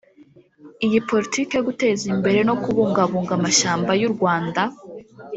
Iyi politiki yo guteza imbere no kubungabunga amashyamba y’u Rwanda